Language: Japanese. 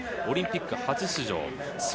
オリンピック初出場。